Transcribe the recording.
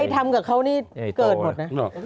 ทำกับเขานี่เกิดหมดนะ